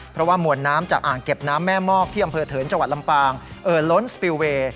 เพราะว่ามวลน้ำจากอ่างเก็บน้ำแม่มอกที่อำเภอเถินจังหวัดลำปางเอ่อล้นสปิลเวย์